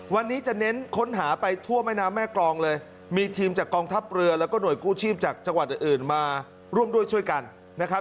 วันนี้จะเน้นค้นหาไปทั่วแม่น้ำแม่กรองเลยมีทีมจากกองทัพเรือแล้วก็หน่วยกู้ชีพจากจังหวัดอื่นมาร่วมด้วยช่วยกันนะครับ